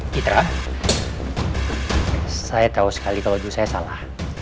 citra saya tahu sekali kalau dulu saya salah